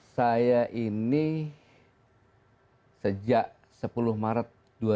saya ini sejak sepuluh maret dua ribu empat belas